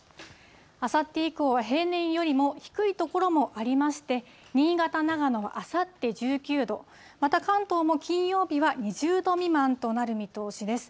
あさって以降は平年よりも低い所もありまして、新潟、長野はあさって１９度、また関東も金曜日は２０度未満となる見通しです。